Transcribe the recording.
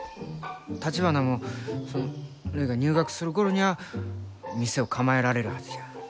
たちばなもるいが入学する頃にゃあ店を構えられるはずじゃ。